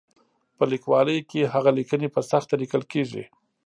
په لیکوالۍ کې هغه لیکنې په سخته لیکل کېږي.